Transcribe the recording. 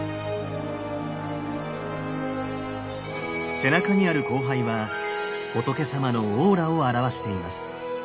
背中にある「光背」は仏さまのオーラを表しています。